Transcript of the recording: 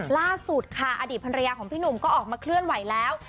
ล่าสุดค่ะอดีตภรรยาของพี่หนุ่มก็ออกมาเคลื่อนไหวแล้ว